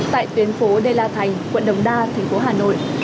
tại tuyến phố đê la thành quận đồng đa thành phố hà nội